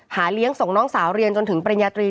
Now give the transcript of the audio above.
เลี้ยงส่งน้องสาวเรียนจนถึงปริญญาตรี